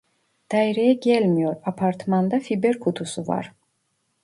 Daireye gelmiyor, apartmanda fiber kutusu var